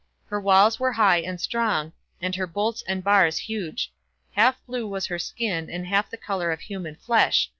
Her walls were high and strong, and her bolts and bars huge; "Half blue was her skin, and half the colour of human flesh.